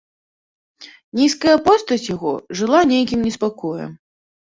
Нізкая постаць яго жыла нейкім неспакоем.